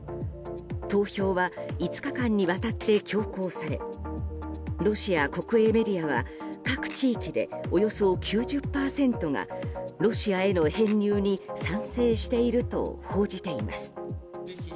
投票は５日間にわたって強行されロシア国営メディアは各地域で、およそ９０％がロシアへの編入に賛成していると報じています。